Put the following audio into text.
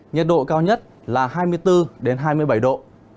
nhiệt độ cao nhất là hai mươi bốn hai mươi bảy độ